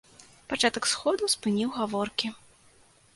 Пачатак сходу спыніў гаворкі.